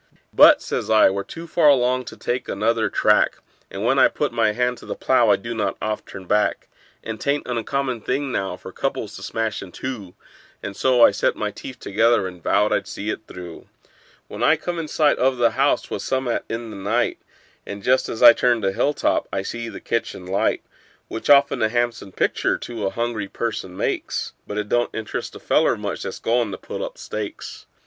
"But," says I, "we're too far along to take another track, And when I put my hand to the plow I do not oft turn back; And 'tain't an uncommon thing now for couples to smash in two;" And so I set my teeth together, and vowed I'd see it through. When I come in sight o' the house 'twas some'at in the night, And just as I turned a hill top I see the kitchen light; Which often a han'some pictur' to a hungry person makes, But it don't interest a feller much that's goin' to pull up stakes.